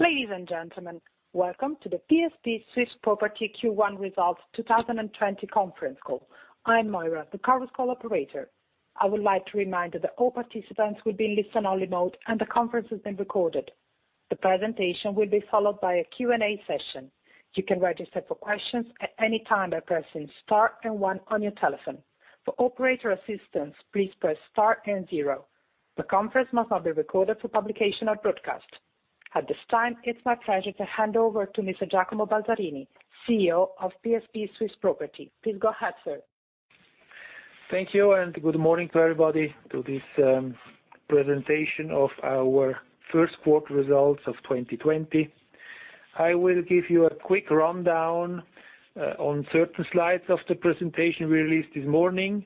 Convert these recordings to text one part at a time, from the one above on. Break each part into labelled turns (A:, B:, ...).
A: Ladies and gentlemen, welcome to the PSP Swiss Property Q1 results 2020 conference call. I am Moira, the conference call operator. I would like to remind you that all participants will be in listen-only mode, and the conference is being recorded. The presentation will be followed by a Q&A session. You can register for questions at any time by pressing star and one on your telephone. For operator assistance, please press star and zero. The conference must not be recorded for publication or broadcast. At this time, it's my pleasure to hand over to Mr. Giacomo Balzarini, CEO of PSP Swiss Property. Please go ahead, sir.
B: Thank you, good morning to everybody to this presentation of our first-quarter results of 2020. I will give you a quick rundown on certain slides of the presentation we released this morning.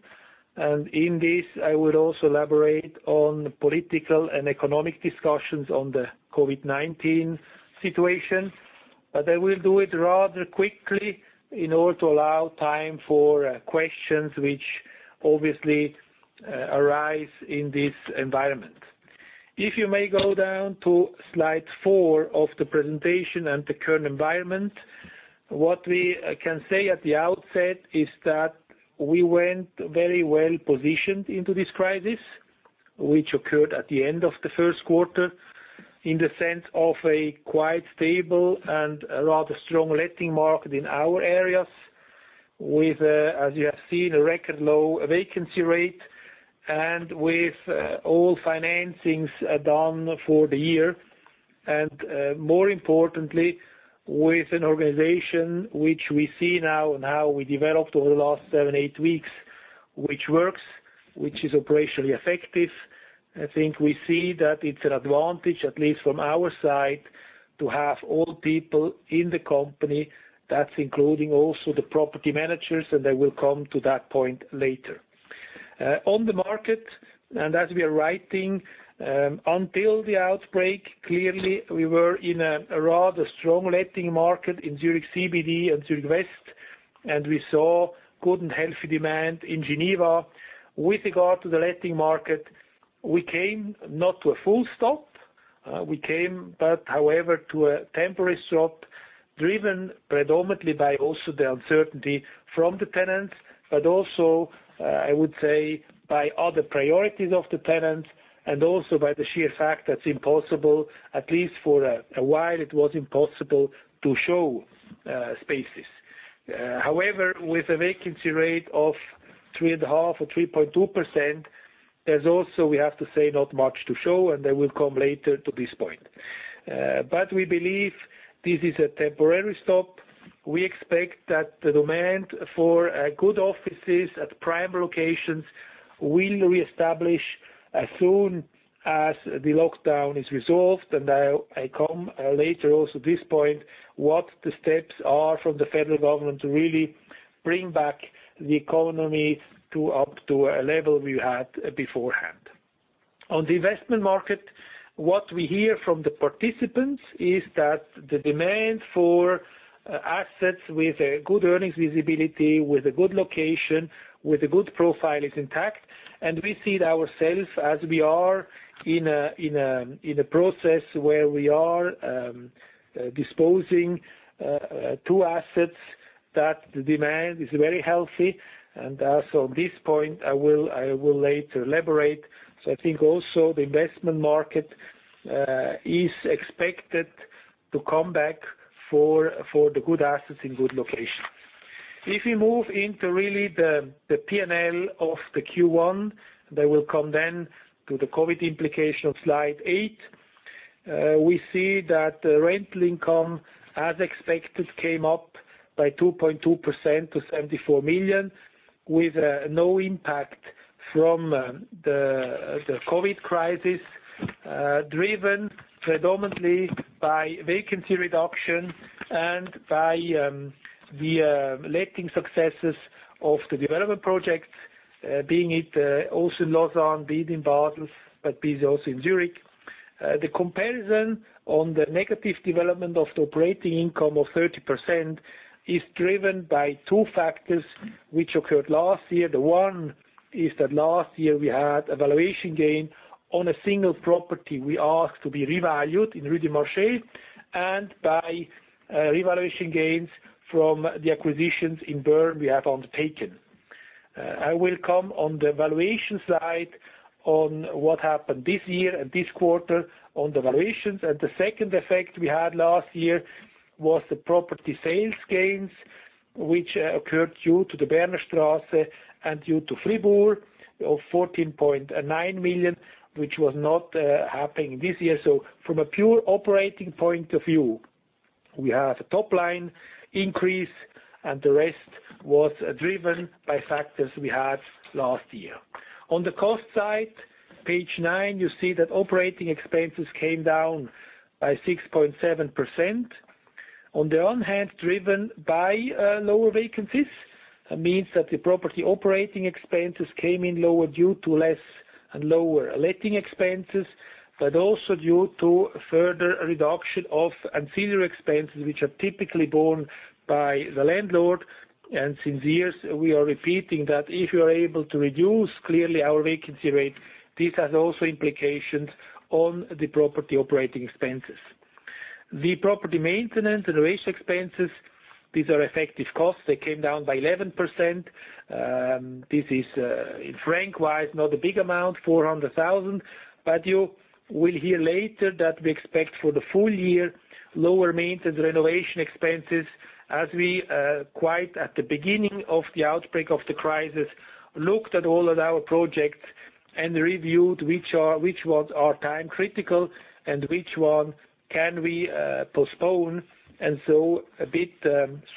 B: In this, I will also elaborate on the political and economic discussions on the COVID-19 situation. I will do it rather quickly in order to allow time for questions which obviously arise in this environment. If you may go down to slide four of the presentation and the current environment. What we can say at the outset is that we went very well-positioned into this crisis, which occurred at the end of the first quarter, in the sense of a quite stable and rather strong letting market in our areas with, as you have seen, a record low vacancy rate and with all financings done for the year. More importantly, with an organization which we see now and how we developed over the last seven, eight weeks, which works, which is operationally effective. I think we see that it's an advantage, at least from our side, to have all people in the company. That's including also the property managers, and I will come to that point later. On the market, and as we are writing, until the outbreak, clearly we were in a rather strong letting market in Zurich CBD and Zurich West, and we saw good and healthy demand in Geneva. With regard to the letting market, we came not to a full stop. We came, but however, to a temporary stop, driven predominantly by also the uncertainty from the tenants. Also, I would say, by other priorities of the tenants and also by the sheer fact that it's impossible, at least for a while, it was impossible to show spaces. However, with a vacancy rate of 3.5% or 3.2%, there's also, we have to say, not much to show, and I will come later to this point. We believe this is a temporary stop. We expect that the demand for good offices at prime locations will reestablish as soon as the lockdown is resolved. I come later also this point, what the steps are from the Federal Council to really bring back the economy up to a level we had beforehand. On the investment market, what we hear from the participants is that the demand for assets with a good earnings visibility, with a good location, with a good profile is intact. We see it ourselves as we are in a process where we are disposing two assets that the demand is very healthy. Also this point I will later elaborate. I think also the investment market is expected to come back for the good assets in good locations. If we move into really the P&L of the Q1, I will come then to the COVID implication of slide eight. We see that rental income, as expected, came up by 2.2% to 74 million, with no impact from the COVID crisis, driven predominantly by vacancy reduction and by the letting successes of the development projects, being it also in Lausanne, being in Basel but being also in Zurich. The comparison on the negative development of the operating income of 30% is driven by two factors which occurred last year. Last year we had a valuation gain on a single property we asked to be revalued in Rue du Marché and by revaluation gains from the acquisitions in Bern we have undertaken. I will come on the valuation slide on what happened this year and this quarter on the valuations. The second effect we had last year was the property sales gains, which occurred due to the Bahnhofstrasse and due to Fribourg of 14.9 million, which was not happening this year. From a pure operating point of view, we have a top-line increase, and the rest was driven by factors we had last year. On the cost side, page nine, you see that operating expenses came down by 6.7%. On the one hand, driven by lower vacancies. The property operating expenses came in lower due to less and lower letting expenses, also due to a further reduction of ancillary expenses, which are typically borne by the landlord. Since years, we are repeating that if you are able to reduce clearly our vacancy rate, this has also implications on the property operating expenses. The property maintenance and renovation expenses, these are effective costs. They came down by 11%. This is, in franc-wise, not a big amount, 400,000, you will hear later that we expect for the full-year, lower maintenance and renovation expenses as we quite at the beginning of the outbreak of the crisis, looked at all of our projects and reviewed which ones are time-critical and which one can we postpone, a bit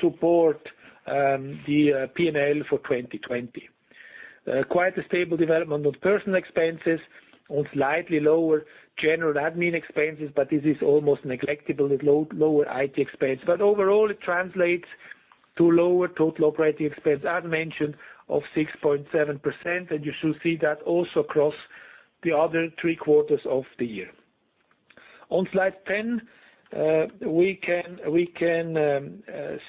B: support the P&L for 2020. Quite a stable development on personal expenses. Slightly lower general admin expenses, but this is almost negligible with lower IT expense. Overall, it translates to lower total operating expense, as mentioned, of 6.7%, and you should see that also across the other three quarters of the year. Slide 10, we can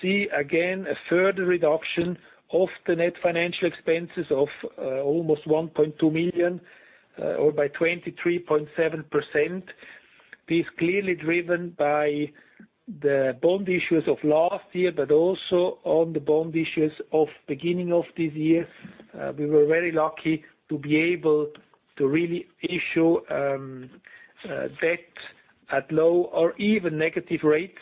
B: see, again, a further reduction of the net financial expenses of almost 1.2 million, or by 23.7%. This is clearly driven by the bond issues of last year, but also on the bond issues of beginning of this year. We were very lucky to be able to really issue debt at low or even negative rates,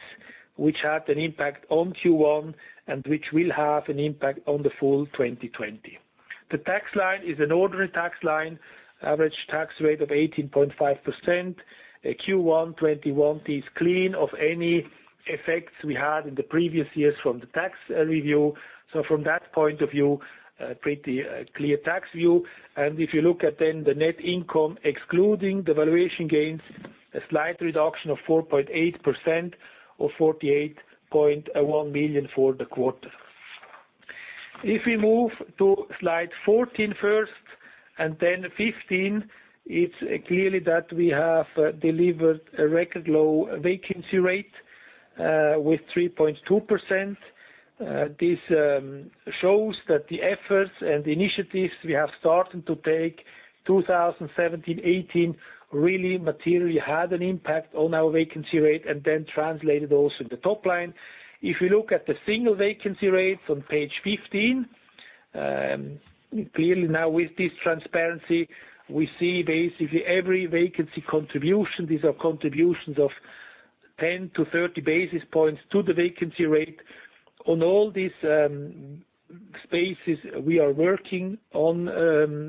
B: which had an impact on Q1, and which will have an impact on the full 2020. The tax line is an ordinary tax line. Average tax rate of 18.5%. Q1 2021 is clean of any effects we had in the previous years from the tax review. From that point of view, pretty clear tax view. If you look at then the net income, excluding the valuation gains, a slight reduction of 4.8% or 48.1 million for the quarter. If we move to slide 14 first and then 15, it's clearly that we have delivered a record low vacancy rate with 3.2%. This shows that the efforts and the initiatives we have started to take 2017-2018, really materially had an impact on our vacancy rate and then translated also in the top line. If you look at the single vacancy rates on page 15. Clearly now with this transparency, we see basically every vacancy contribution. These are contributions of 10 basis points-30 basis points to the vacancy rate. On all these spaces, we are working on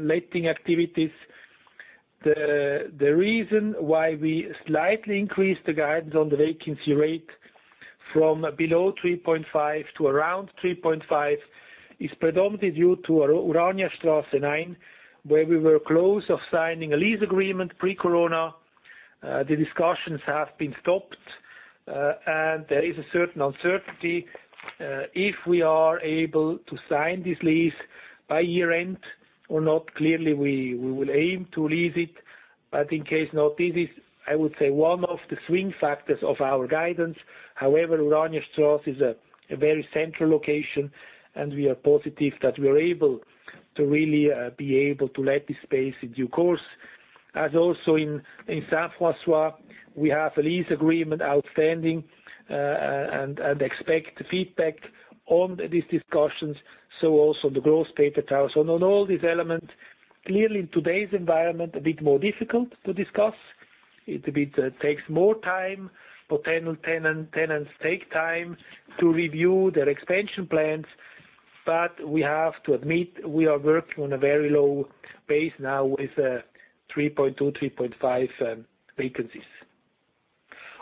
B: letting activities. The reason why we slightly increased the guidance on the vacancy rate from below 3.5% to around 3.5% is predominantly due to Uraniastrasse 9, where we were close of signing a lease agreement pre-corona. There is a certain uncertainty if we are able to sign this lease by year-end or not. Clearly, we will aim to lease it, but in case not, this is, I would say, one of the swing factors of our guidance. However, Uraniastrasse is a very central location, and we are positive that we are able to really be able to let this space in due course. Also in Saint-François, we have a lease agreement outstanding, and expect feedback on these discussions. Also the Grosspeter Tower. On all these elements, clearly in today's environment, a bit more difficult to discuss. It takes more time. Potential tenants take time to review their expansion plans. We have to admit, we are working on a very low base now with 3.2%, 3.5% vacancies.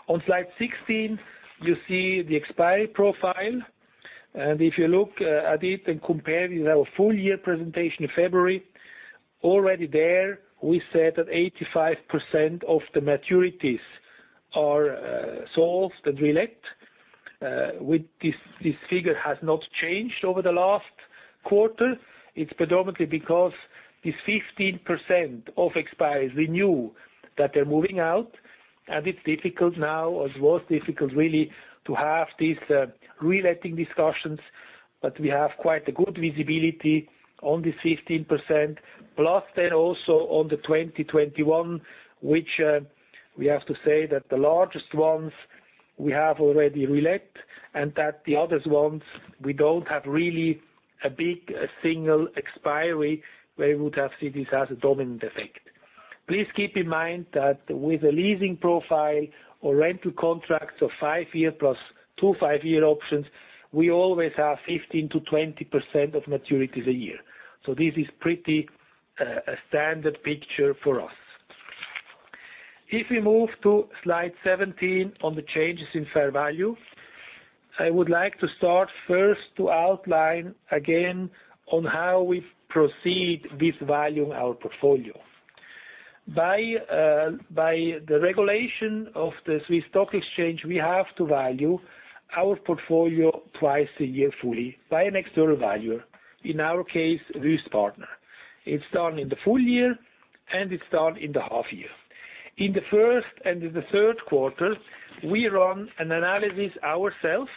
B: On slide 16, you see the expiry profile. If you look at it and compare with our full-year presentation in February, already there we said that 85% of the maturities are solved and relet. This figure has not changed over the last quarter. It's predominantly because this 15% of expiries, we knew that they're moving out, and it's difficult now or it was difficult really to have these reletting discussions. We have quite a good visibility on this 15%+ then also on the 2021, which we have to say that the largest ones we have already relet, and that the other ones we don't have really a big single expiry where we would have seen this as a dominant effect. Please keep in mind that with a leasing profile or rental contracts of five-year plus two five-year options, we always have 15%-20% of maturities a year. This is pretty a standard picture for us. If we move to slide 17 on the changes in fair value, I would like to start first to outline again on how we proceed with valuing our portfolio. By the regulation of the SIX Swiss Exchange, we have to value our portfolio twice a year fully by an external valuer. In our case, Wüest Partner. It's done in the full-year and it's done in the half year. In the first and in the third quarter, we run an analysis ourselves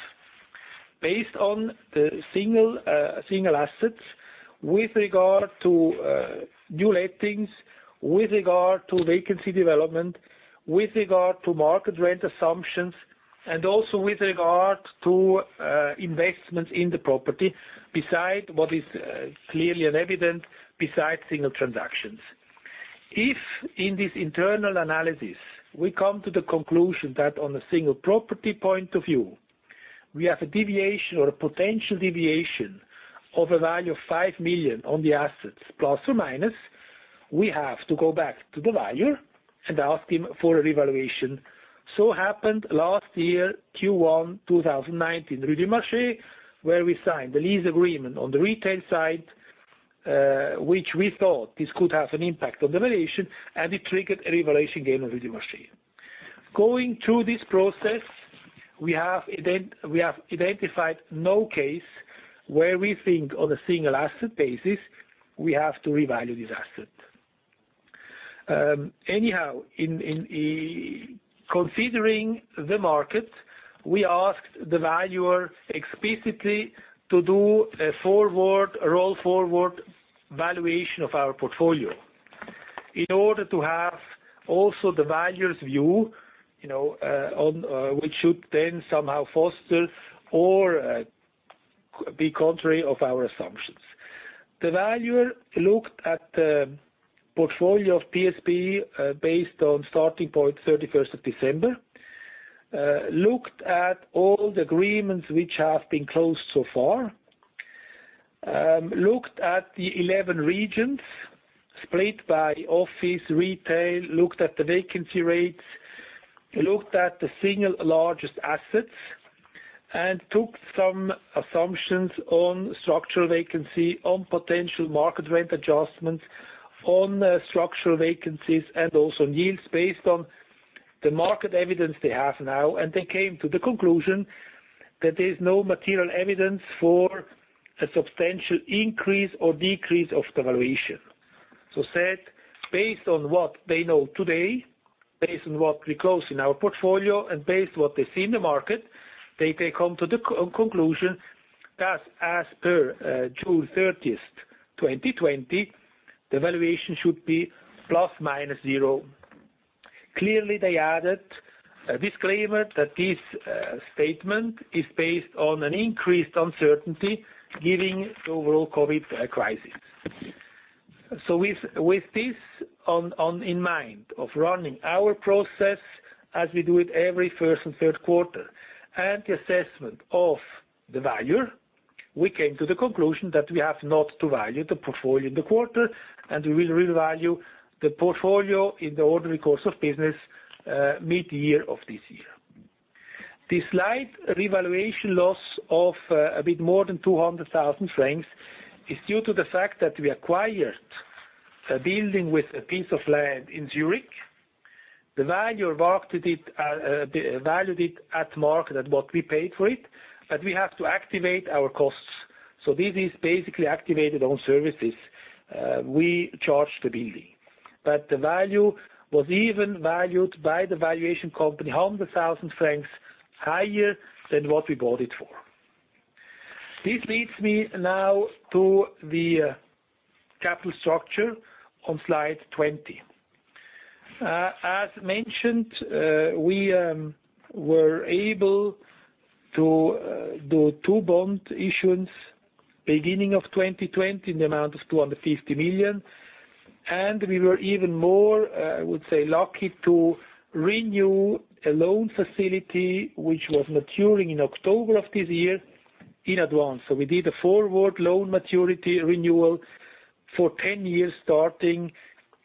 B: based on the single assets with regard to new lettings, with regard to vacancy development, with regard to market rent assumptions, and also with regard to investments in the property, beside what is clearly an evident, besides single transactions. If in this internal analysis, we come to the conclusion that on a single property point of view, we have a deviation or a potential deviation of a value of 5 million on the assets, plus or minus, we have to go back to the valuer and ask him for a revaluation. Happened last year, Q1 2019, Rue du Marché, where we signed the lease agreement on the retail side, which we thought this could have an impact on the valuation, and it triggered a revaluation gain on Rue du Marché. Going through this process, we have identified no case where we think on a single asset basis we have to revalue this asset. Anyhow, in considering the market, we asked the valuer explicitly to do a roll-forward valuation of our portfolio. In order to have also the valuer's view, which should then somehow foster or be contrary of our assumptions. The valuer looked at the portfolio of PSP based on starting point 31st of December. Looked at all the agreements which have been closed so far. Looked at the 11 regions split by office, retail. Looked at the vacancy rates. Looked at the single largest assets and took some assumptions on structural vacancy, on potential market rent adjustments, on structural vacancies, and also on yields based on the market evidence they have now. They came to the conclusion that there's no material evidence for a substantial increase or decrease of the valuation. Said, based on what they know today, based on what we close in our portfolio, and based on what they see in the market, they come to the conclusion that as per June 30th, 2020, the valuation should be ±0. Clearly, they added a disclaimer that this statement is based on an increased uncertainty given the overall COVID crisis. With this in mind, of running our process as we do it every first and third quarter, and the assessment of the valuer, we came to the conclusion that we have not to value the portfolio in the quarter, and we will revalue the portfolio in the ordinary course of business mid-year of this year. The slight revaluation loss of a bit more than 200,000 francs is due to the fact that we acquired a building with a piece of land in Zürich. The valuer valued it at market at what we paid for it, but we have to activate our costs. This is basically activated on services. We charge the building. The value was even valued by the valuation company 100,000 francs higher than what we bought it for. This leads me now to the capital structure on slide 20. As mentioned, we were able to do two bond issuance beginning of 2020 in the amount of 250 million. We were even more, I would say, lucky to renew a loan facility which was maturing in October of this year in advance. We did a forward loan maturity renewal for 10 years, starting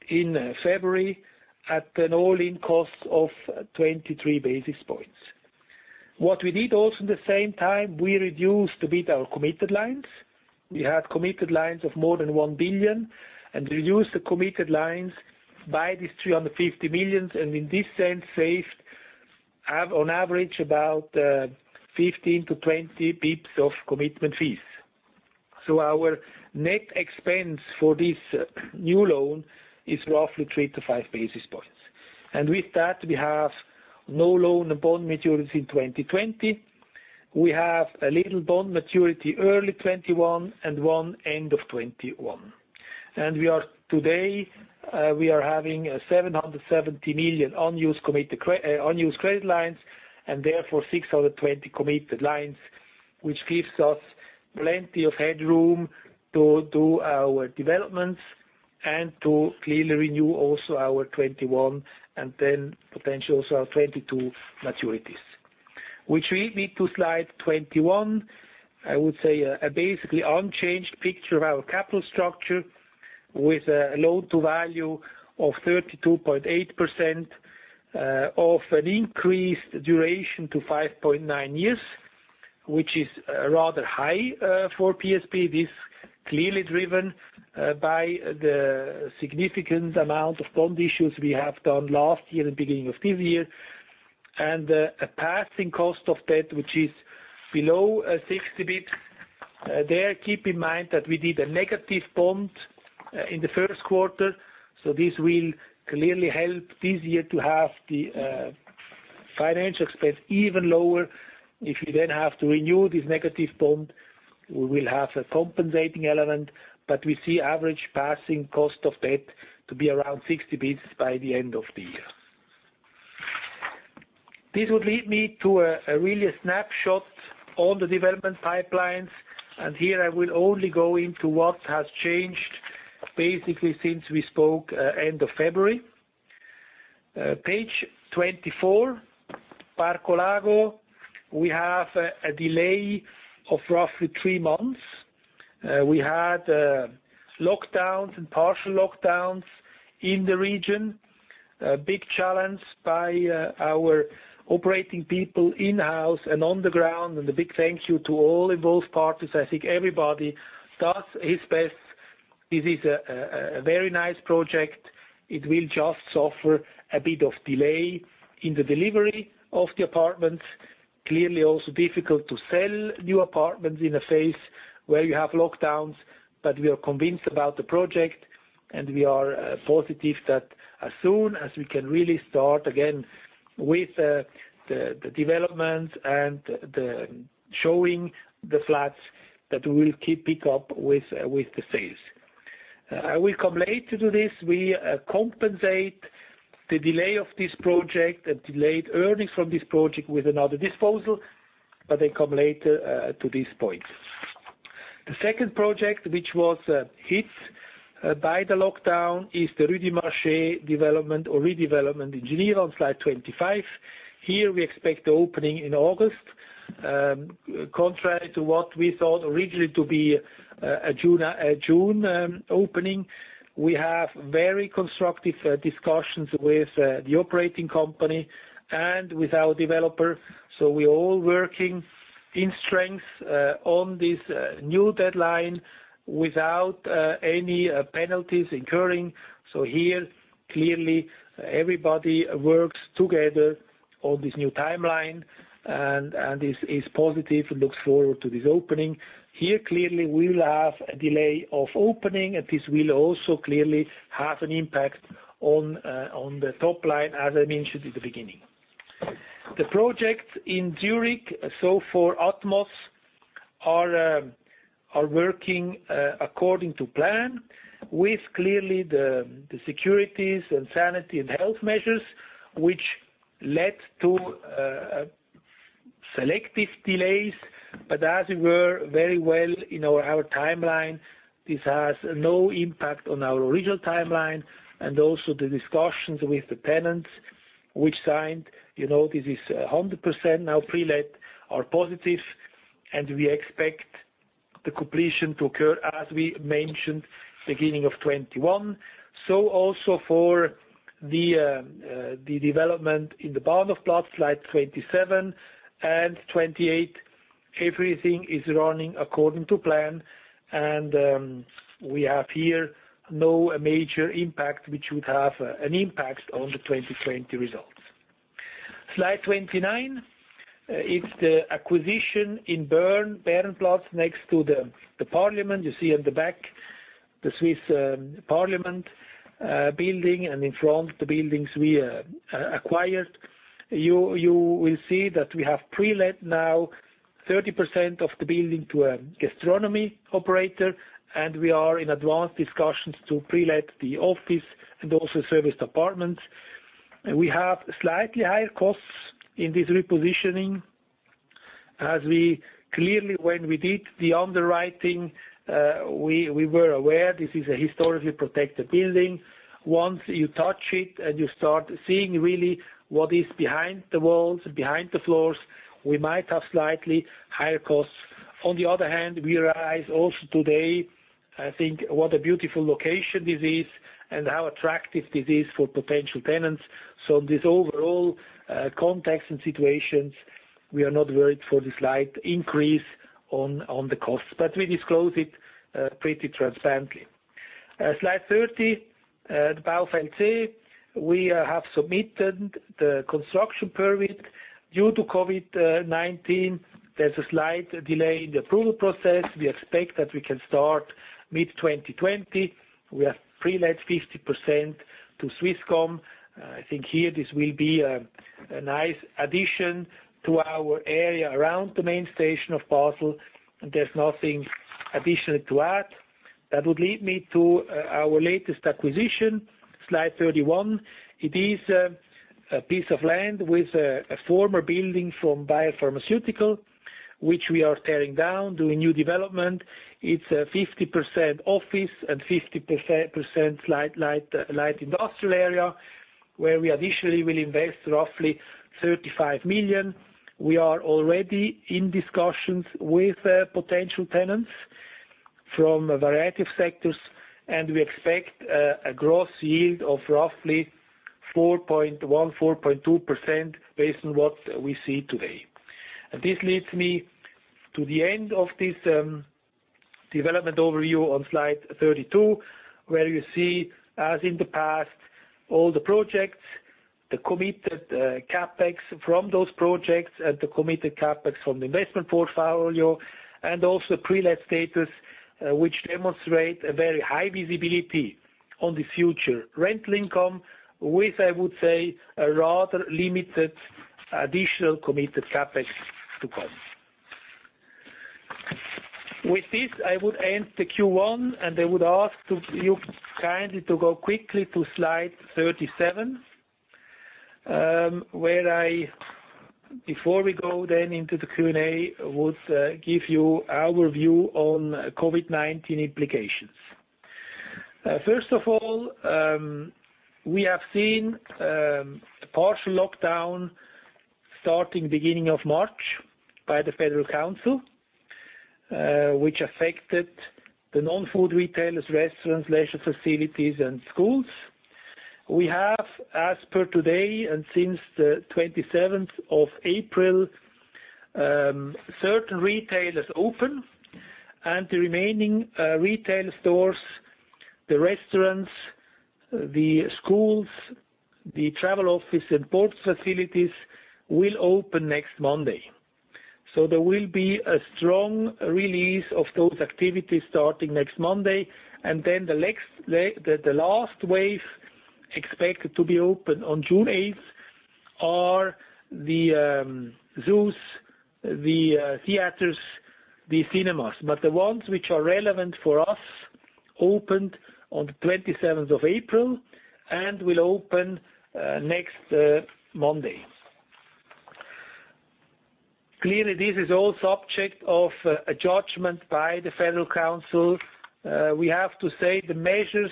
B: in February, at an all-in cost of 23 basis points. What we did also at the same time, we reduced a bit our committed lines. We had committed lines of more than 1 billion and reduced the committed lines by these 350 million, and in this sense, saved on average about 15 basis points-20 basis points of commitment fees. Our net expense for this new loan is roughly 3 basis points-5 basis points. With that, we have no loan or bond maturity in 2020. We have a little bond maturity early 2021, and one end of 2021. Today, we are having a 770 million unused credit lines, and therefore 620 committed lines, which gives us plenty of headroom to do our developments and to clearly renew also our 2021, and then potentially also our 2022 maturities. Which lead me to slide 21. I would say a basically unchanged picture of our capital structure with a loan-to-value of 32.8%, of an increased duration to 5.9 years, which is rather high for PSP. This clearly driven by the significant amount of bond issues we have done last year and beginning of this year. A passing cost of debt, which is below 60 basis points. There, keep in mind that we did a negative bond in the first quarter. This will clearly help this year to have the financial expense even lower. If we have to renew this negative bond, we will have a compensating element, but we see average passing cost of debt to be around 60 basis points by the end of the year. This would lead me to a snapshot of the development pipelines. Here I will only go into what has changed, basically since we spoke end of February. Page 24, Parco Lago. We have a delay of roughly three months. We had lockdowns and partial lockdowns in the region. A big challenge by our operating people in-house and on the ground, and a big thank you to all involved parties. I think everybody does his best. This is a very nice project. It will just suffer a bit of delay in the delivery of the apartments. Clearly, also difficult to sell new apartments in a phase where you have lockdowns. We are convinced about the project, and we are positive that as soon as we can really start again with the development and the showing the flats, that we will keep up with the sales. I will come later to this. We compensate the delay of this project and delayed earnings from this project with another disposal. I come later to this point. The second project, which was hit by the lockdown, is the Rue du Marché development or redevelopment in Geneva on slide 25. Here we expect the opening in August. Contrary to what we thought originally to be a June opening, we have very constructive discussions with the operating company and with our developer. We're all working in strength on this new deadline without any penalties incurring. Here, clearly, everybody works together on this new timeline and is positive and looks forward to this opening. Here, clearly, we will have a delay of opening, and this will also clearly have an impact on the top line, as I mentioned at the beginning. The project in Zürich, for ATMOS, are working according to plan with clearly the securities and sanity and health measures, which led to selective delays, but as we were very well in our timeline, this has no impact on our original timeline. Also the discussions with the tenants which signed, this is 100% now pre-let, are positive, and we expect the completion to occur, as we mentioned, beginning of 2021. Also for the development in the Bahnhofplatz, slide 27 and 28, everything is running according to plan, and we have here no major impact which would have an impact on the 2020 results. Slide 29. It's the acquisition in Bern, Bärenplatz, next to the parliament. You see in the back the Swiss parliament building, and in front the buildings we acquired. You will see that we have pre-let now 30% of the building to a gastronomy operator, and we are in advanced discussions to pre-let the office and also serviced apartments. We have slightly higher costs in this repositioning as we clearly when we did the underwriting, we were aware this is a historically protected building. Once you touch it and you start seeing really what is behind the walls, behind the floors, we might have slightly higher costs. On the other hand, we realize also today, I think, what a beautiful location this is and how attractive this is for potential tenants. In this overall context and situations, we are not worried for the slight increase on the costs, but we disclose it pretty transparently. Slide 30, the Baufeld C. We have submitted the construction permit. Due to COVID-19, there's a slight delay in the approval process. We expect that we can start mid-2020. We have pre-let 50% to Swisscom. I think here this will be a nice addition to our area around the main station of Basel. There's nothing additional to add. That would lead me to our latest acquisition, slide 31. It is a piece of land with a former building from biopharmaceutical, which we are tearing down, doing new development. It's 50% office and 50% light industrial area, where we additionally will invest roughly 35 million. We are already in discussions with potential tenants from a variety of sectors, and we expect a gross yield of roughly 4.1%-4.2% based on what we see today. This leads me to the end of this Development overview on slide 32, where you see, as in the past, all the projects, the committed CapEx from those projects, and the committed CapEx from the investment portfolio, and also pre-let status, which demonstrate a very high visibility on the future rental income with, I would say, a rather limited additional committed CapEx to come. With this, I would end the Q1, and I would ask you kindly to go quickly to slide 37, where I, before we go then into the Q&A, would give you our view on COVID-19 implications. First of all, we have seen a partial lockdown starting beginning of March by the Federal Council, which affected the non-food retailers, restaurants, leisure facilities, and schools. We have, as per today and since the 27th of April, certain retailers open, and the remaining retail stores, the restaurants, the schools, the travel office, and ports facilities will open next Monday. There will be a strong release of those activities starting next Monday. The last wave expected to be open on June 8th are the zoos, the theaters, the cinemas. The ones which are relevant for us opened on the 27th of April and will open next Monday. Clearly, this is all subject of a judgment by the Federal Council. We have to say the measures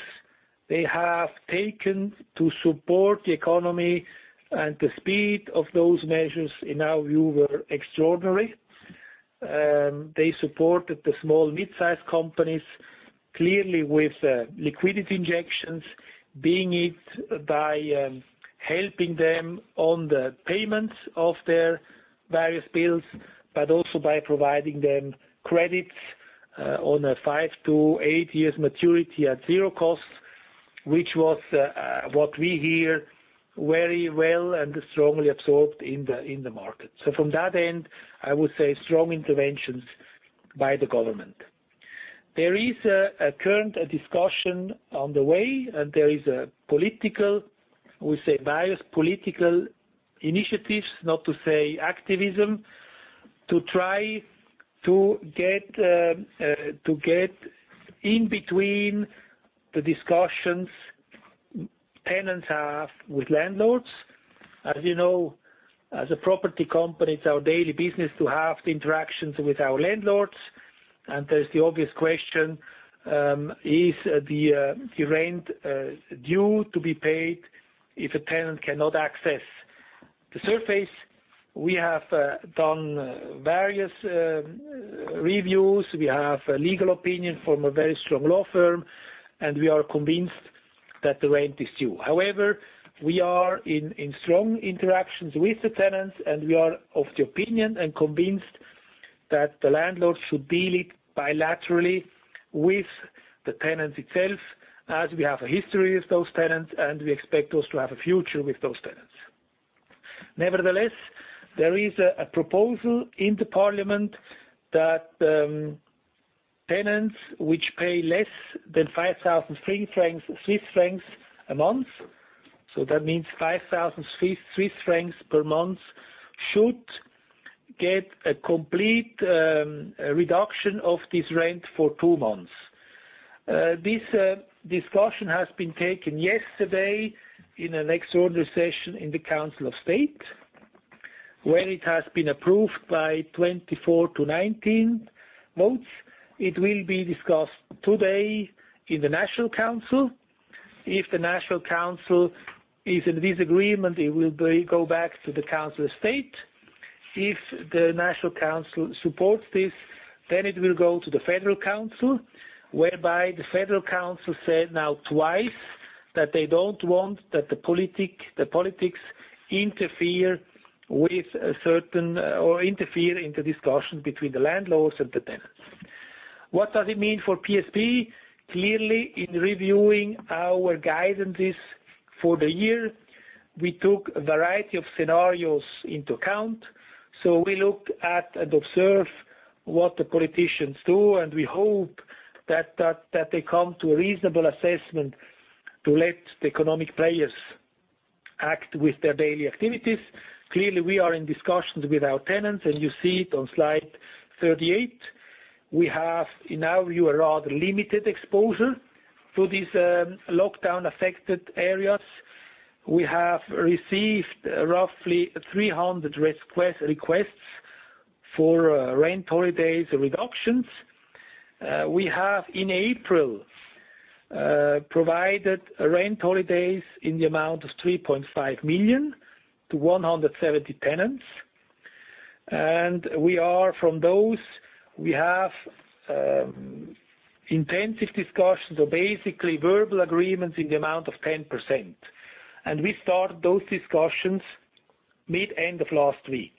B: they have taken to support the economy and the speed of those measures, in our view, were extraordinary. They supported the small mid-size companies, clearly with liquidity injections, being it by helping them on the payments of their various bills, but also by providing them credits on a five to eight years maturity at zero cost, which was what we hear very well and strongly absorbed in the market. From that end, I would say strong interventions by the government. There is a current discussion on the way, there is, we say, various political initiatives, not to say activism, to try to get in between the discussions tenants have with landlords. As you know, as a property company, it's our daily business to have the interactions with our landlords. There's the obvious question, is the rent due to be paid if a tenant cannot access the surface? We have done various reviews. We have a legal opinion from a very strong law firm, and we are convinced that the rent is due. However, we are in strong interactions with the tenants, and we are of the opinion and convinced that the landlord should deal it bilaterally with the tenants itself, as we have a history with those tenants, and we expect us to have a future with those tenants. Nevertheless, there is a proposal in the parliament that tenants which pay less than 5,000 Swiss francs a month, so that means 5,000 Swiss francs per month, should get a complete reduction of this rent for two months. This discussion has been taken yesterday in an extraordinary session in the Council of State, where it has been approved by 24 to 19 votes. It will be discussed today in the National Council. If the National Council is in disagreement, it will go back to the Council of State. If the National Council supports this, it will go to the Federal Council, whereby the Federal Council said now twice that they don't want the politics interfere in the discussion between the landlords and the tenants. What does it mean for PSP? Clearly, in reviewing our guidances for the year, we took a variety of scenarios into account. We looked at and observed what the politicians do, and we hope that they come to a reasonable assessment to let the economic players act with their daily activities. Clearly, we are in discussions with our tenants, and you see it on slide 38. We have, in our view, a rather limited exposure to these lockdown-affected areas. We have received roughly 300 requests for rent holidays reductions. We have, in April, provided rent holidays in the amount of 3.5 million to 170 tenants. From those, we have intensive discussions or basically verbal agreements in the amount of 10%. We start those discussions mid-end of last week.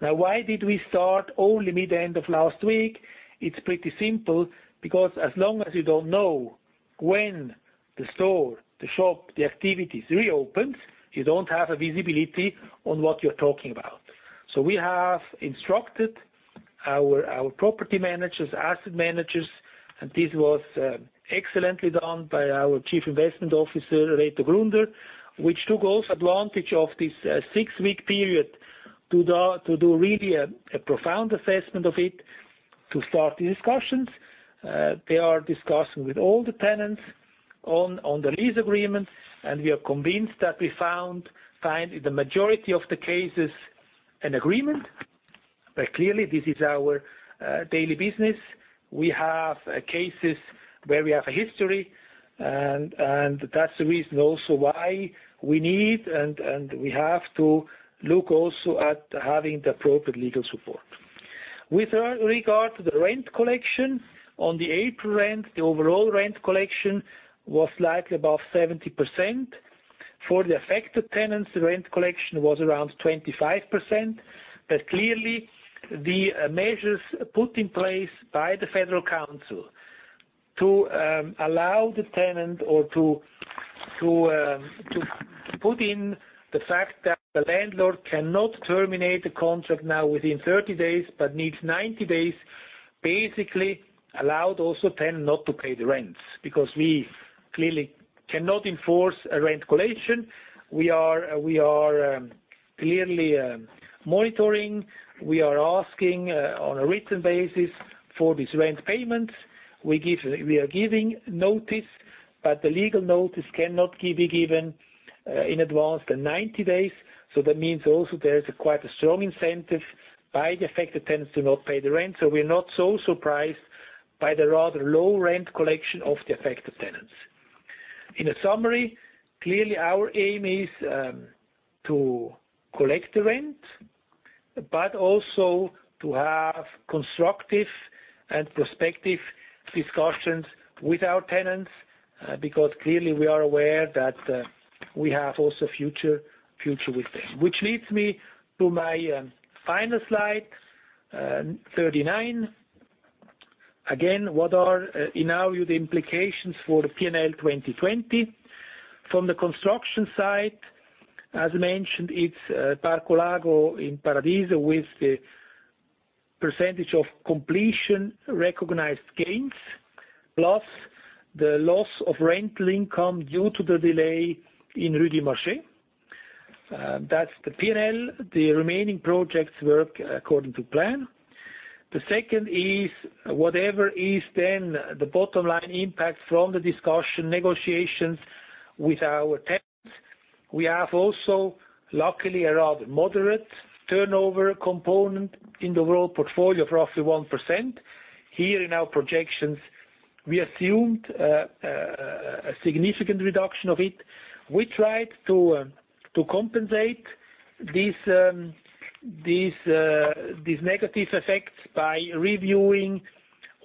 B: Why did we start only mid-end of last week? It's pretty simple, because as long as you don't know when the store, the shop, the activities reopens, you don't have a visibility on what you're talking about. We have instructed our property managers, asset managers, and this was excellently done by our Chief Investment Officer, Reto Grunder, which took also advantage of this six-week period to do really a profound assessment of it to start the discussions. They are discussing with all the tenants on the lease agreement, and we are convinced that we find, in the majority of the cases, an agreement. Clearly, this is our daily business. We have cases where we have a history, and that's the reason also why we need, and we have to look also at having the appropriate legal support. With regard to the rent collection, on the April rent, the overall rent collection was slightly above 70%. For the affected tenants, the rent collection was around 25%, but clearly, the measures put in place by the Federal Council to allow the tenant or to put in the fact that the landlord cannot terminate the contract now within 30 days, but needs 90 days, basically allowed also tenant not to pay the rents, because we clearly cannot enforce a rent collection. We are clearly monitoring. We are asking on a written basis for these rent payments. We are giving notice, but the legal notice cannot be given in advance than 90 days. That means also there is quite a strong incentive by the affected tenants to not pay the rent. We're not so surprised by the rather low rent collection of the affected tenants. In a summary, clearly our aim is to collect the rent, but also to have constructive and prospective discussions with our tenants, because clearly we are aware that we have also future with them. Which leads me to my final slide 39. What are, in our view, the implications for the P&L 2020? From the construction site, as mentioned, it's Parco Lago in Paradiso with the percentage of completion recognized gains, plus the loss of rental income due to the delay in Rue du Marché. That's the P&L. The remaining projects work according to plan. The second is whatever is then the bottom line impact from the discussion negotiations with our tenants. We have also, luckily, a rather moderate turnover component in the raw portfolio of roughly 1%. Here in our projections, we assumed a significant reduction of it. We tried to compensate these negative effects by reviewing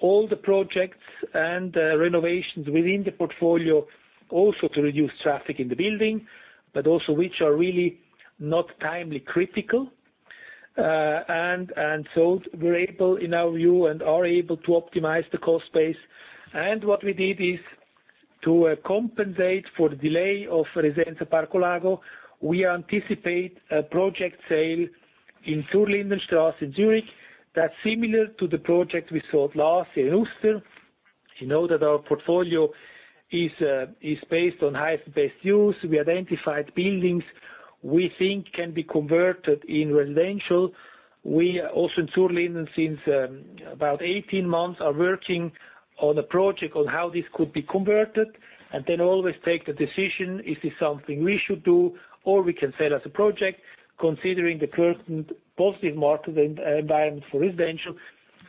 B: all the projects and renovations within the portfolio, also to reduce traffic in the building, but also which are really not timely critical. We're able, in our view, and are able to optimize the cost base. What we did is to compensate for the delay of Residenza Parco Lago. We anticipate a project sale in Zurlindenstrasse in Zurich that's similar to the project we sold last year in Uster. You know that our portfolio is based on highest and best use. We identified buildings we think can be converted in residential. We also, in Zurlinden, since about 18 months, are working on a project on how this could be converted. Always take the decision, is this something we should do, or we can sell as a project? Considering the current positive market environment for residential,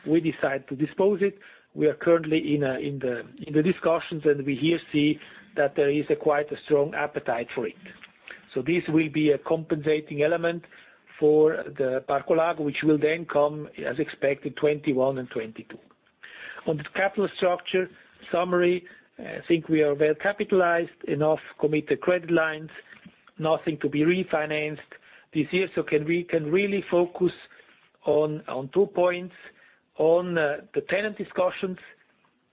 B: we decide to dispose it. We are currently in the discussions. We here see that there is quite a strong appetite for it. This will be a compensating element for the Parco Lago, which will then come, as expected, 2021 and 2022. On the capital structure summary, I think we are well capitalized. Enough committed credit lines. Nothing to be refinanced this year. We can really focus on two points: on the tenant discussions,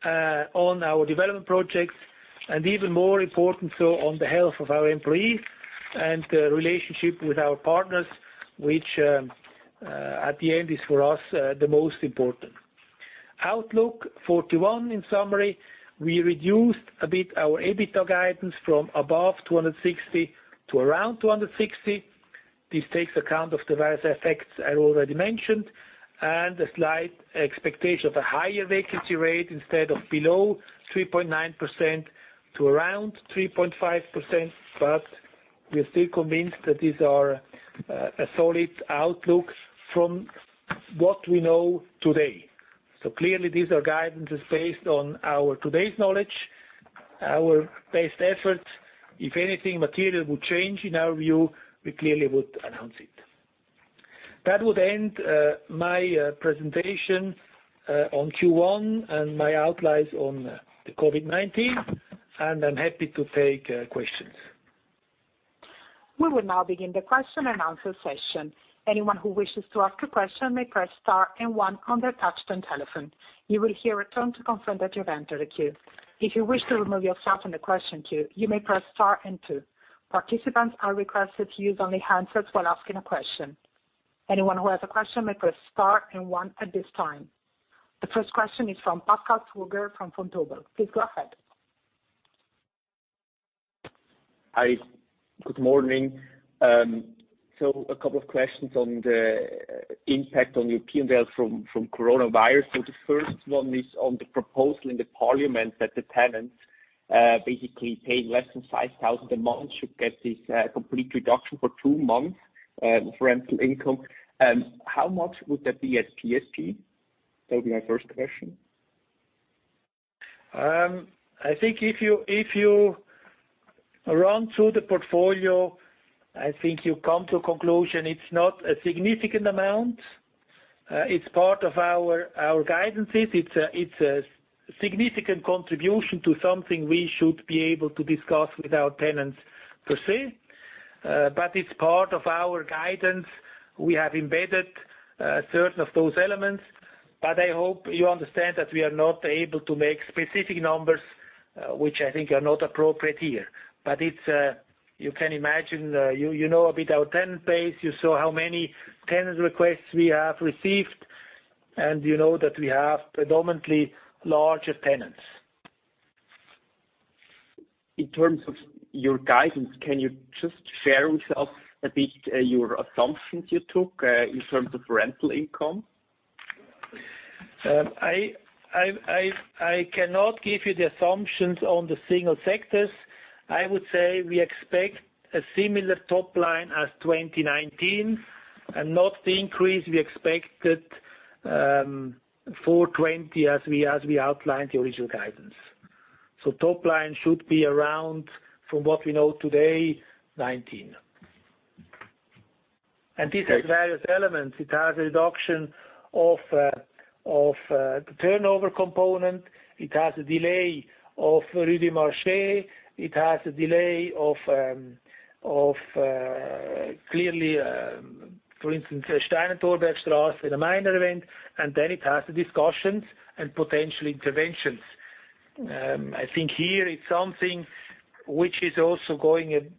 B: on our development projects, and even more important on the health of our employees and the relationship with our partners, which at the end is for us the most important. Outlook for Q1, in summary, we reduced a bit our EBITDA guidance from above 260 to around 260. This takes account of the various effects I already mentioned, and a slight expectation of a higher vacancy rate instead of below 3.9% to around 3.5%, we are still convinced that these are a solid outlook from what we know today. Clearly, these are guidances based on our today's knowledge, our best effort. If anything material would change in our view, we clearly would announce it. That would end my presentation on Q1 and my outlines on the COVID-19, and I'm happy to take questions.
A: We will now begin the question and answer session. Anyone who wishes to ask a question may press star and one on their touch-tone telephone. You will hear a tone to confirm that you've entered a queue. If you wish to remove yourself from the question queue, you may press star and two. Participants are requested to use only handsets when asking a question. Anyone who has a question may press star and one at this time. The first question is from Pascal Dudle from Vontobel. Please go ahead.
C: Hi. Good morning. A couple of questions on the impact on your P&L from coronavirus. The first one is on the proposal in the parliament that the tenants basically paying less than 5,000 a month should get this complete reduction for two months rental income. How much would that be at PSP? That would be my first question.
B: I think if you run through the portfolio, I think you come to a conclusion, it's not a significant amount. It's part of our guidances. It's a significant contribution to something we should be able to discuss with our tenants per se. It's part of our guidance. We have embedded certain of those elements. I hope you understand that we are not able to make specific numbers, which I think are not appropriate here. You can imagine, you know a bit our tenant base, you saw how many tenant requests we have received, and you know that we have predominantly larger tenants.
C: In terms of your guidance, can you just share with us a bit your assumptions you took, in terms of rental income?
B: I cannot give you the assumptions on the single sectors. I would say we expect a similar top line as 2019 and not the increase we expected for 2020 as we outlined the original guidance. Top line should be around, from what we know today, 2019. This has various elements. It has a reduction of the turnover component. It has a delay of Rue du Marché. It has a delay of clearly, for instance, Steinentorberg in a minor event, and then it has the discussions and potential interventions. I think here it is something which is also going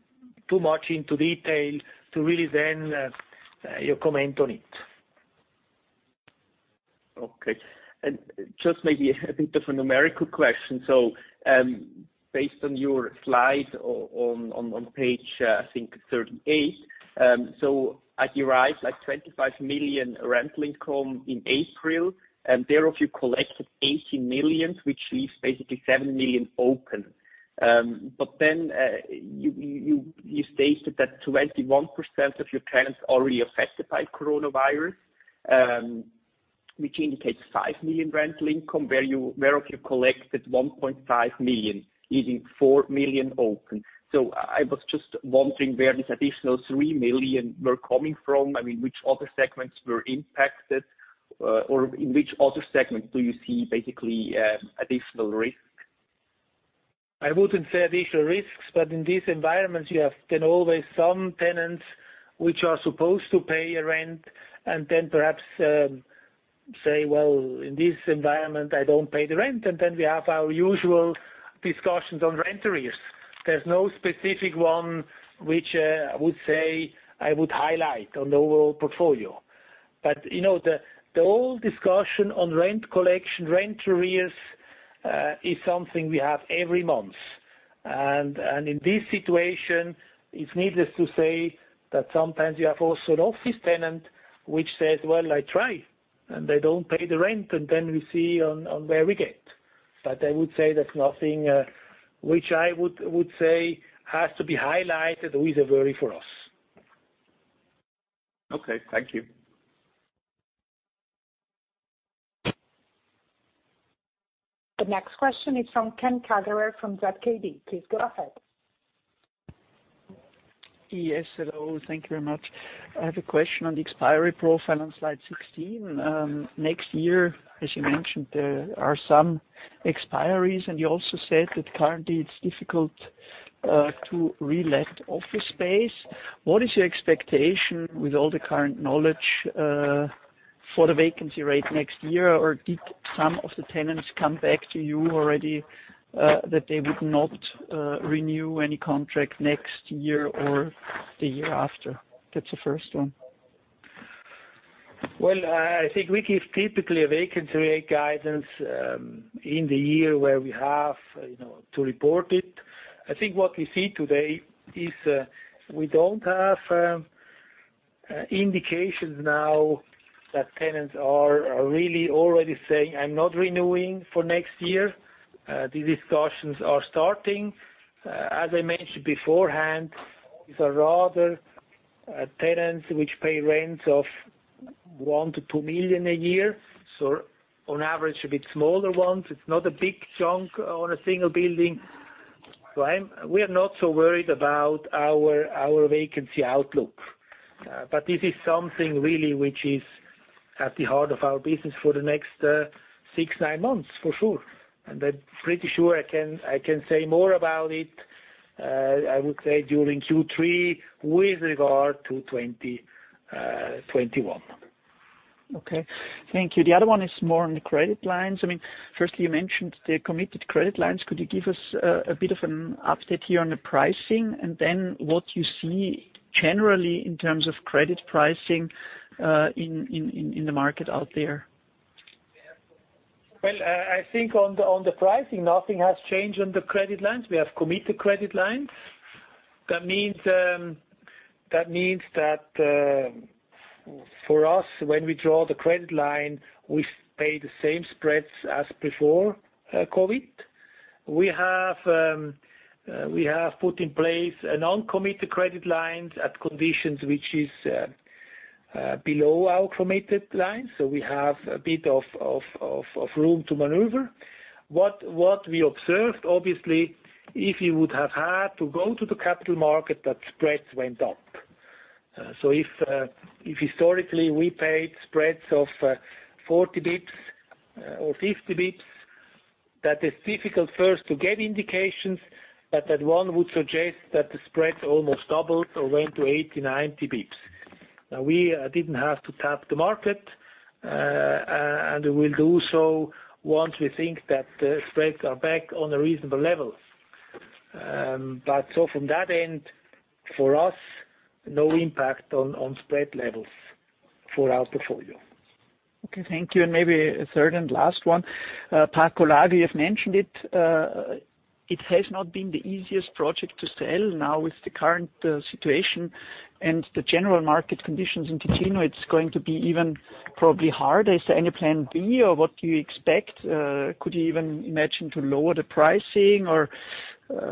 B: too much into detail to really then you comment on it.
C: Okay. Just maybe a bit of a numerical question. Based on your slide on page, I think 38. As you write, like 25 million rental income in April, and thereof you collected 18 million, which leaves basically 7 million open. You stated that 21% of your tenants already affected by coronavirus, which indicates 5 million rental income, whereof you collected 1.5 million, leaving 4 million open. I was just wondering where this additional 3 million were coming from, I mean, which other segments were impacted, or in which other segments do you see basically additional risk?
B: I wouldn't say additional risks, but in this environment you have then always some tenants which are supposed to pay a rent and then perhaps say, "Well, in this environment, I don't pay the rent." We have our usual discussions on rent arrears. There's no specific one which I would say I would highlight on the overall portfolio. The whole discussion on rent collection, rent arrears, is something we have every month. In this situation, it's needless to say that sometimes you have also an office tenant which says, "Well, I try," and they don't pay the rent, and then we see on where we get. I would say there's nothing which I would say has to be highlighted with a worry for us.
C: Okay. Thank you.
A: The next question is from Ken Kagerer from ZKB. Please go ahead.
D: Yes, hello. Thank you very much. I have a question on the expiry profile on slide 16. Next year, as you mentioned, there are some expiries, and you also said that currently it's difficult to relet office space. What is your expectation with all the current knowledge for the vacancy rate next year? Did some of the tenants come back to you already that they would not renew any contract next year or the year after? That's the first one.
B: Well, I think we give typically a vacancy rate guidance in the year where we have to report it. I think what we see today is we don't have indications now that tenants are really already saying, "I'm not renewing for next year." The discussions are starting. As I mentioned beforehand, these are rather tenants which pay rents of 1 million-2 million a year. On average, a bit smaller ones. It's not a big chunk on a single building. We are not so worried about our vacancy outlook. This is something really which is at the heart of our business for the next six, nine months, for sure. I'm pretty sure I can say more about it, I would say during Q3 with regard to 2021.
D: Okay. Thank you. The other one is more on the credit lines. Firstly, you mentioned the committed credit lines. Could you give us a bit of an update here on the pricing and then what you see generally in terms of credit pricing in the market out there?
B: Well, I think on the pricing, nothing has changed on the credit lines. We have committed credit lines. Means that for us, when we draw the credit line, we pay the same spreads as before COVID. We have put in place a non-committed credit lines at conditions which is below our committed lines. We have a bit of room to maneuver. What we observed, obviously, if you would have had to go to the capital market, that spreads went up. If historically we paid spreads of 40 basis points or 50 basis points, that is difficult first to get indications, but that one would suggest that the spread almost doubled or went to 80 basis points, 90 basis points. We didn't have to tap the market, and we will do so once we think that the spreads are back on a reasonable level. From that end, for us, no impact on spread levels for our portfolio.
D: Okay, thank you. Maybe a third and last one. Parco Lago, you've mentioned it. It has not been the easiest project to sell now with the current situation and the general market conditions in Ticino, it's going to be even probably harder. Is there any plan B or what do you expect? Could you even imagine to lower the pricing or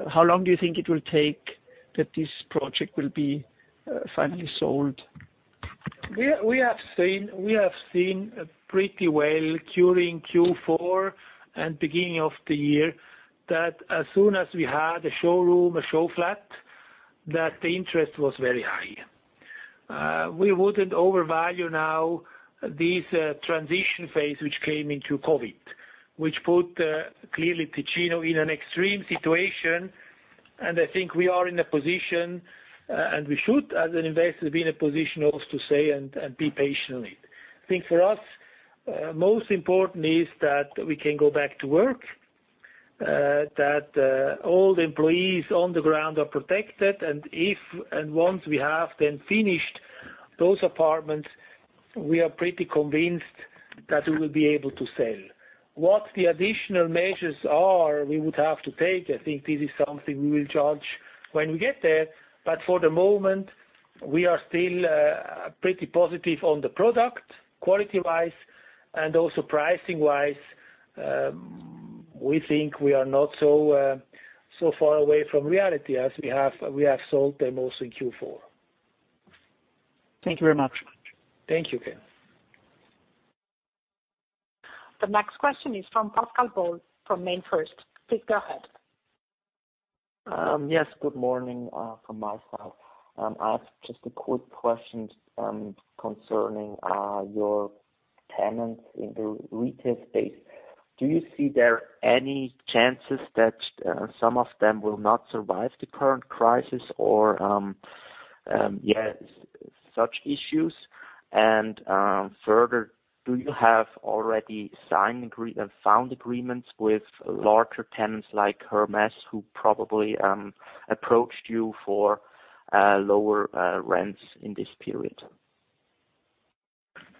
D: how long do you think it will take that this project will be finally sold?
B: We have seen pretty well during Q4 and beginning of the year that as soon as we had a showroom, a show flat, that the interest was very high. We wouldn't overvalue now this transition phase which came into COVID, which put clearly Ticino in an extreme situation. I think we are in a position, and we should, as an investor, be in a position also to say and be patiently. I think for us, most important is that we can go back to work, that all the employees on the ground are protected. If and once we have then finished those apartments, we are pretty convinced that we will be able to sell. What the additional measures are we would have to take, I think this is something we will judge when we get there. For the moment, we are still pretty positive on the product, quality-wise, and also pricing-wise. We think we are not so far away from reality as we have sold them also in Q4.
D: Thank you very much.
B: Thank you.
A: The next question is from Pascal Boll from MainFirst. Please go ahead.
E: Yes, good morning from myself. I have just a quick question concerning your tenants in the retail space. Do you see there any chances that some of them will not survive the current crisis or, yes, such issues? Further, do you have already found agreements with larger tenants like Hermès, who probably approached you for lower rents in this period?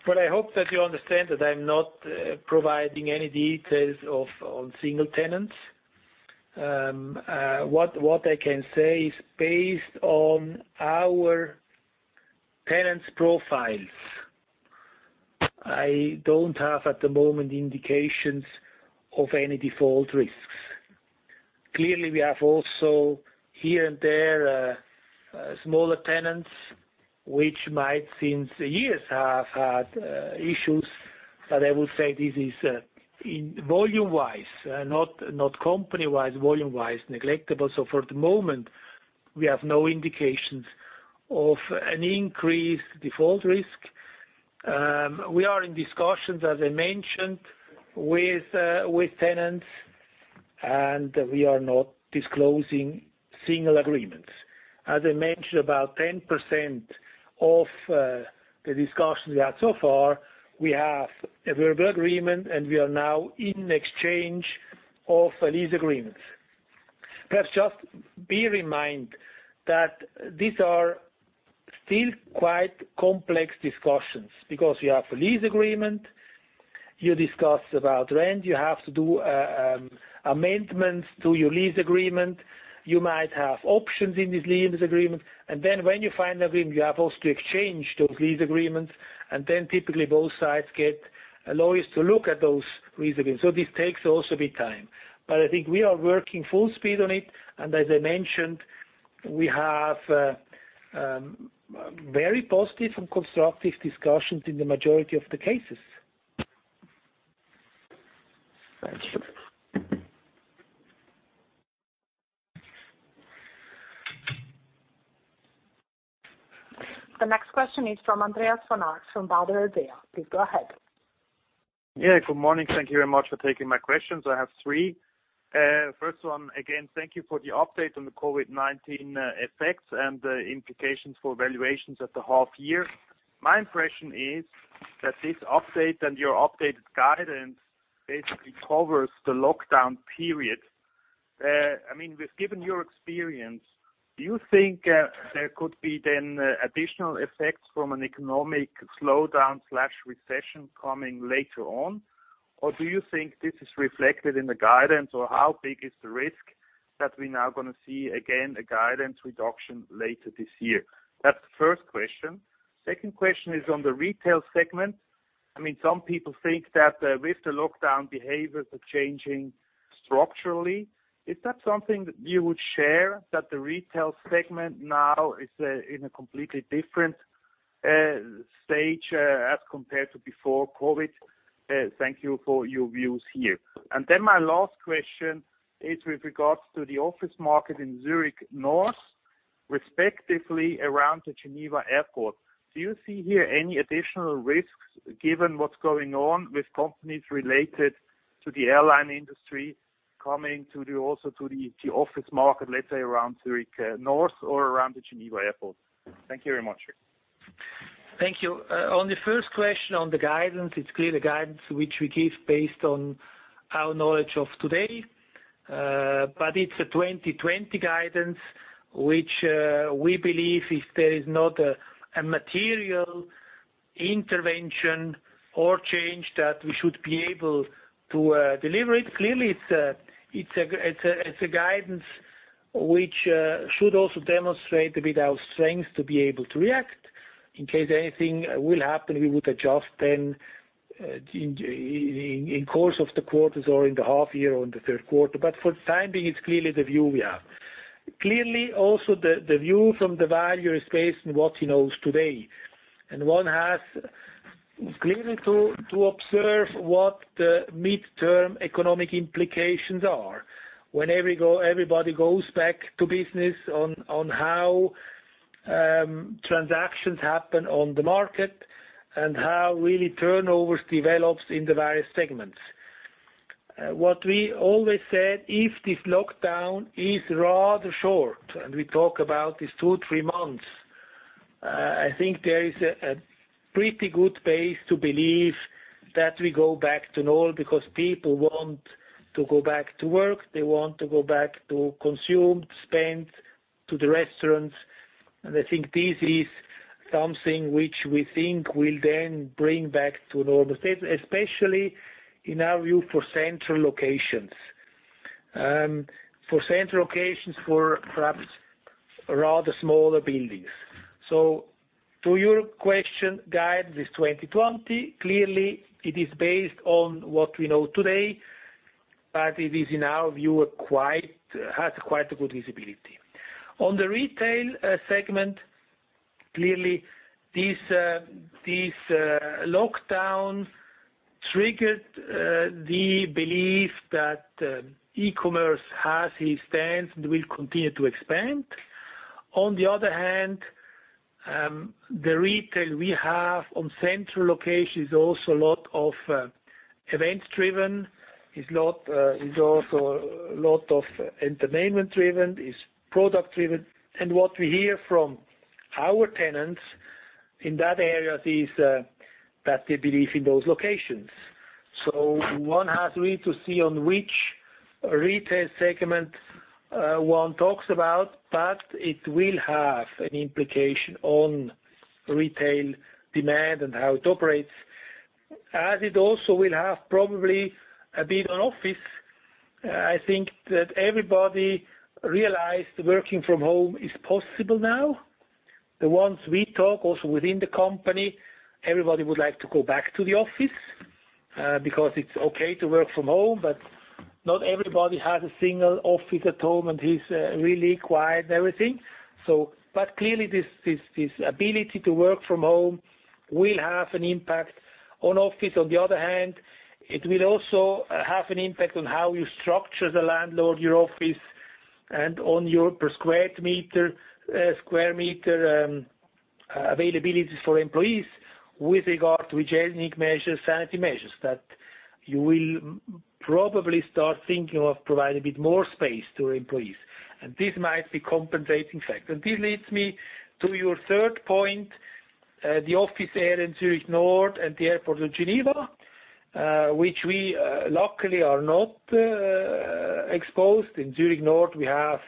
B: Well, I hope that you understand that I'm not providing any details on single tenants. What I can say is based on our tenants' profiles, I don't have at the moment indications of any default risks. We have also here and there smaller tenants, which might, since years have had issues, but I will say this is volume-wise, not company-wise, volume-wise negligible. For the moment, we have no indications of an increased default risk. We are in discussions, as I mentioned, with tenants, and we are not disclosing single agreements. As I mentioned, about 10% of the discussions we had so far, we have a verbal agreement, and we are now in exchange of lease agreements. Perhaps just be remind that these are still quite complex discussions because you have a lease agreement, you discuss about rent, you have to do amendments to your lease agreement. You might have options in this lease agreement. When you find agreement, you have also to exchange those lease agreements, typically both sides get lawyers to look at those lease agreements. This takes also a bit time. I think we are working full speed on it, and as I mentioned, we have very positive and constructive discussions in the majority of the cases. Thank you.
A: The next question is from Andreas von Arx from Baader Helvea. Please go ahead.
F: Good morning. Thank you very much for taking my questions. I have three. First one, again, thank you for the update on the COVID-19 effects and the implications for valuations at the half year. My impression is that this update and your updated guidance basically covers the lockdown period. Given your experience, do you think there could be then additional effects from an economic slowdown/recession coming later on? Do you think this is reflected in the guidance? How big is the risk that we're now going to see, again, a guidance reduction later this year? That's the first question. Second question is on the retail segment. Some people think that with the lockdown, behaviors are changing structurally. Is that something that you would share, that the retail segment now is in a completely different stage as compared to before COVID? Thank you for your views here. My last question is with regards to the office market in Zurich North, respectively around the Geneva Airport. Do you see here any additional risks given what's going on with companies related to the airline industry coming also to the office market, let's say, around Zurich North or around the Geneva Airport? Thank you very much.
B: Thank you. On the first question on the guidance, it is clear the guidance which we give based on our knowledge of today. It is a 2020 guidance, which we believe if there is not a material intervention or change that we should be able to deliver it. Clearly, it is a guidance which should also demonstrate a bit our strength to be able to react. In case anything will happen, we would adjust then in course of the quarters or in the half year or in the third quarter. For the time being, it is clearly the view we have. Clearly, also the view from the valuer is based on what he knows today. One has clearly to observe what the midterm economic implications are. When everybody goes back to business on how transactions happen on the market and how really turnovers develops in the various segments. What we always said, if this lockdown is rather short, and we talk about these two, three months, I think there is a pretty good base to believe that we go back to normal because people want to go back to work. They want to go back to consume, spend, to the restaurants. I think this is something which we think will then bring back to normal state, especially in our view for central locations. For central locations for perhaps rather smaller buildings. To your question, guidance is 2020. Clearly, it is based on what we know today, but it is in our view has quite a good visibility. On the retail segment, clearly, this lockdown triggered the belief that e-commerce has its stance and will continue to expand. On the other hand, the retail we have on central location is also a lot of event-driven. Is also a lot of entertainment-driven, is product-driven. What we hear from our tenants in that area is that they believe in those locations. One has really to see on which retail segment one talks about, but it will have an implication on retail demand and how it operates, as it also will have probably a bit on office. I think that everybody realized working from home is possible now. The ones we talk also within the company, everybody would like to go back to the office because it's okay to work from home, but not everybody has a single office at home, and it's really quiet and everything. Clearly, this ability to work from home will have an impact on office. On the other hand, it will also have an impact on how you structure the landlord, your office, and on your per square meter availability for employees with regard to hygienic measures, sanitary measures. You will probably start thinking of providing a bit more space to employees. This might be compensating factor. This leads me to your third point, the office there in Zurich North and the airport of Geneva, which we luckily are not exposed. In Zurich North, we have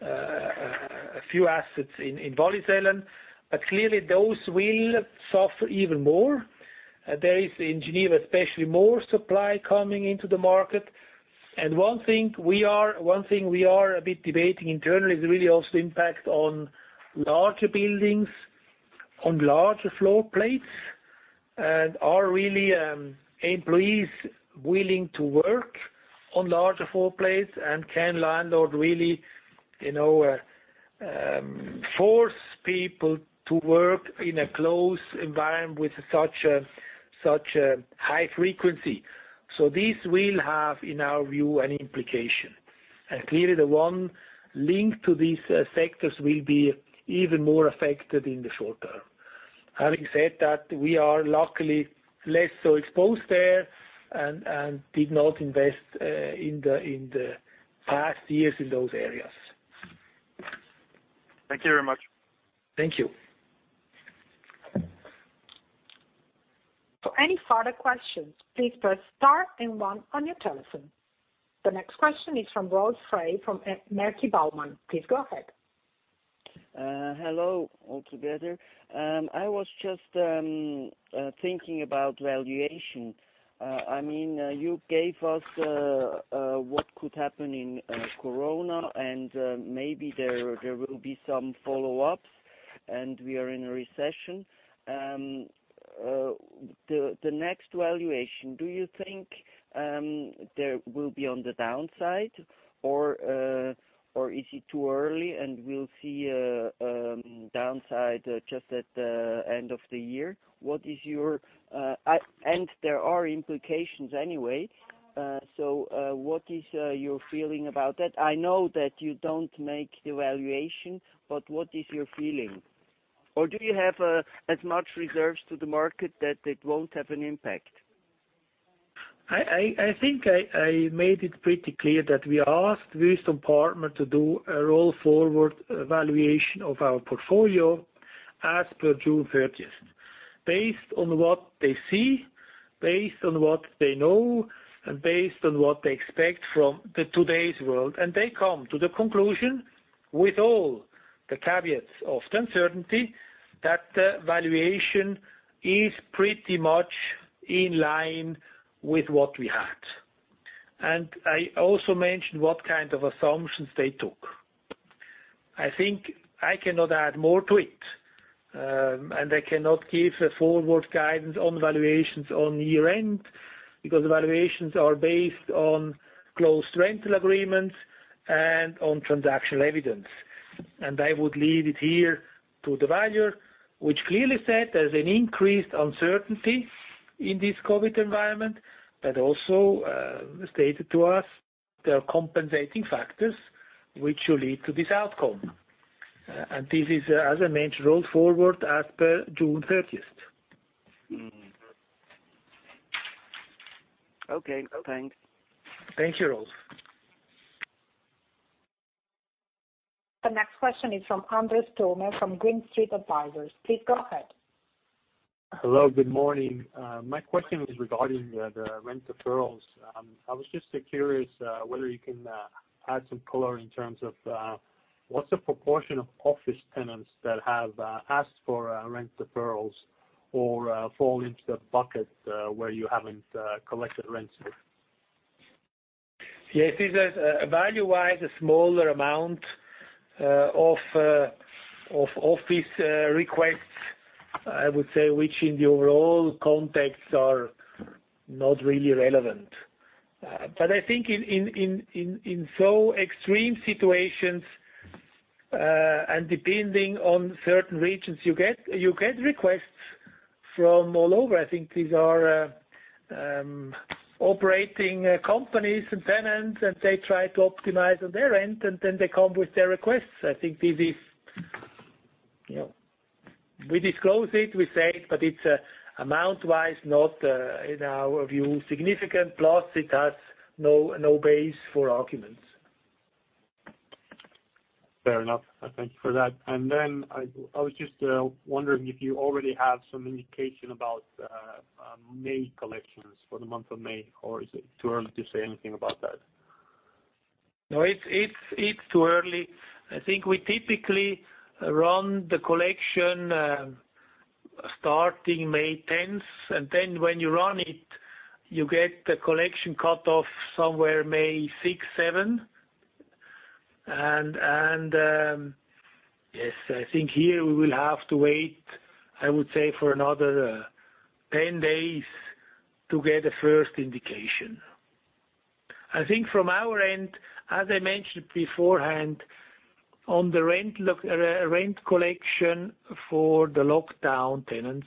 B: a few assets in Wollishofen, clearly those will suffer even more. There is in Geneva, especially more supply coming into the market. One thing we are a bit debating internally is really also impact on larger buildings, on larger floor plates. Are really employees willing to work on larger floor plates. Can landlord really force people to work in a close environment with such a high frequency? This will have, in our view, an implication. Clearly the one linked to these sectors will be even more affected in the short term. Having said that, we are luckily less so exposed there, and did not invest in the past years in those areas.
F: Thank you very much.
B: Thank you.
A: For any further questions, please press star and one on your telephone. The next question is from Rolf Frey from Maerki Baumann. Please go ahead.
G: Hello, all together. I was just thinking about valuation. You gave us what could happen in Corona, and maybe there will be some follow-ups, and we are in a recession. The next valuation, do you think there will be on the downside, or is it too early and we'll see a downside just at the end of the year? There are implications anyway, so what is your feeling about that? I know that you don't make the valuation, but what is your feeling? Do you have as much reserves to the market that it won't have an impact?
B: I think I made it pretty clear that we asked the Wüest Partner to do a roll-forward valuation of our portfolio as per June 30th. Based on what they see, based on what they know, and based on what they expect from the today's world. They come to the conclusion, with all the caveats of the uncertainty, that the valuation is pretty much in line with what we had. I also mentioned what kind of assumptions they took. I think I cannot add more to it. I cannot give a forward guidance on valuations on year-end, because valuations are based on close rental agreements and on transactional evidence. I would leave it here to the valuer, which clearly said there's an increased uncertainty in this COVID-19 environment, but also stated to us there are compensating factors which will lead to this outcome. This is, as I mentioned, rolled forward as per June 30th.
G: Okay. Thanks.
B: Thank you, Rolf.
A: The next question is from Andres Toome from Green Street Advisors. Please go ahead.
H: Hello. Good morning. My question is regarding the rent deferrals. I was just curious whether you can add some color in terms of what's the proportion of office tenants that have asked for rent deferrals or fall into the bucket where you haven't collected rents?
B: Yes, this is value-wise, a smaller amount of office requests, I would say, which in the overall context are not really relevant. I think in so extreme situations, and depending on certain regions, you get requests from all over. I think these are operating companies and tenants, and they try to optimize on their end, and then they come with their requests. I think we disclose it, we say it, but it's amount-wise, not, in our view, significant. Plus, it has no base for arguments.
H: Fair enough. Thank you for that. I was just wondering if you already have some indication about May collections for the month of May, or is it too early to say anything about that?
B: No, it's too early. I think we typically run the collection starting May 10th, then when you run it, you get the collection cut-off somewhere May 6th, May 7th. Yes, I think here we will have to wait, I would say, for another 10 days to get a first indication. I think from our end, as I mentioned beforehand, on the rent collection for the lockdown tenants,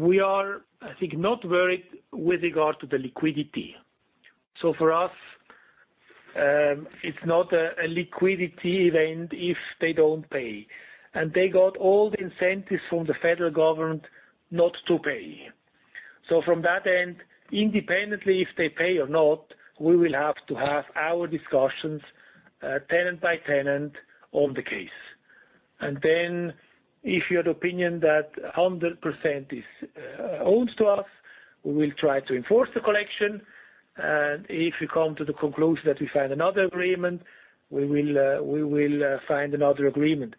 B: we are, I think, not worried with regard to the liquidity. For us, it's not a liquidity event if they don't pay. They got all the incentives from the federal government not to pay. From that end, independently, if they pay or not, we will have to have our discussions, tenant by tenant, on the case. Then, if your opinion that 100% is owed to us, we will try to enforce the collection. If we come to the conclusion that we find another agreement, we will find another agreement.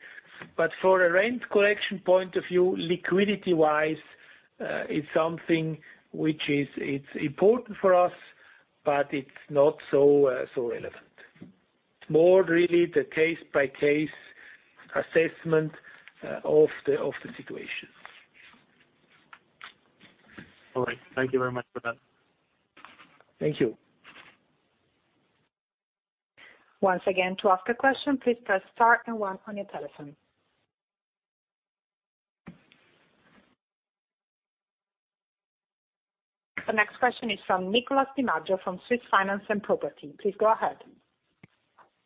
B: For a rent collection point of view, liquidity-wise, it's something which is important for us, but it's not so relevant. It's more really the case-by-case assessment of the situation.
H: All right. Thank you very much for that.
B: Thank you.
A: Once again, to ask a question, please press star and one on your telephone. The next question is from Nicolas Di Maggio from Swiss Finance & Property. Please go ahead.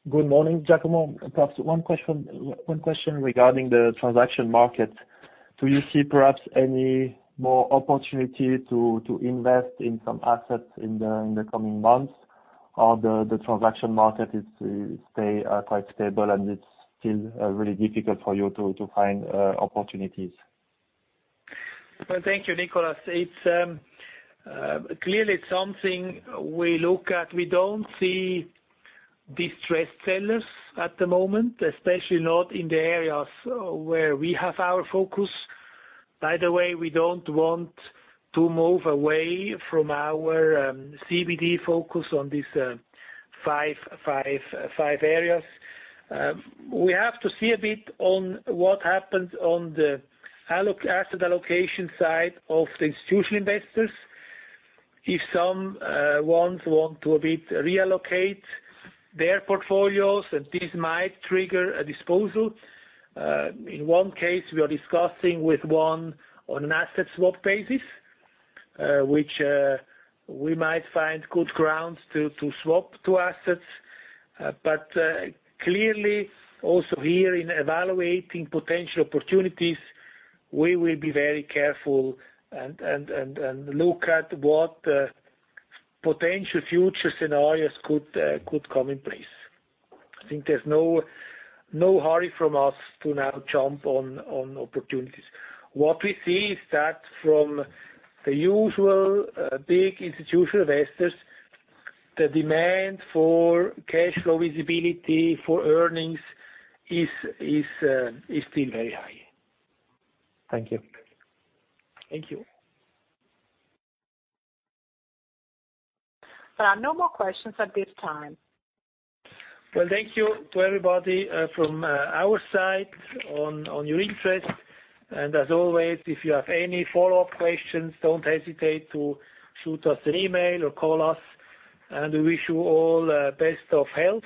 I: Good morning, Giacomo. Perhaps one question regarding the transaction market. Do you see perhaps any more opportunity to invest in some assets in the coming months? The transaction market stay quite stable, and it's still really difficult for you to find opportunities?
B: Thank you, Nicolas. Clearly, it's something we look at. We don't see distressed sellers at the moment, especially not in the areas where we have our focus. By the way, we don't want to move away from our CBD focus on these five areas. We have to see a bit on what happens on the asset allocation side of the institutional investors. If some ones want to a bit reallocate their portfolios, this might trigger a disposal. In one case, we are discussing with one on an asset swap basis, which we might find good grounds to swap two assets. Clearly, also here in evaluating potential opportunities, we will be very careful and look at what potential future scenarios could come in place. I think there's no hurry from us to now jump on opportunities. What we see is that from the usual big institutional investors, the demand for cash flow visibility for earnings is still very high.
I: Thank you.
B: Thank you.
A: There are no more questions at this time.
B: Thank you to everybody from our side on your interest, and as always, if you have any follow-up questions, don't hesitate to shoot us an email or call us. We wish you all best of health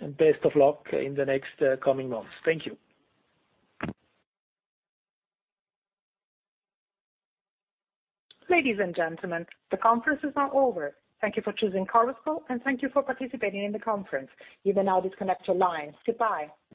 B: and best of luck in the next coming months. Thank you.
A: Ladies and gentlemen, the conference is now over. Thank you for choosing Chorus Call, and thank you for participating in the conference. You may now disconnect your lines. Goodbye.